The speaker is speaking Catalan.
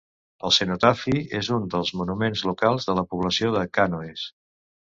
El cenotafi és un dels monuments locals de la població de Cànoes.